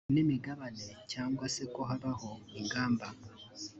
n imigabane cyangwa se ko habaho ingamba